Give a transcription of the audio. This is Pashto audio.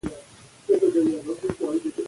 افغانستان کې ځنګلي حاصلات د خلکو د خوښې وړ ځای دی.